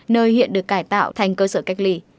nơi hiện được cải tạo thành cơ sở cách ly